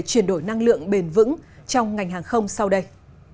chuyển đổi năng lượng bền vững trong ngành hàng không sau đây